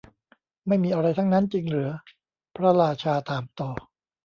ไม่มีอะไรทั้งนั้นจริงเหรอ พระราชาถามต่อ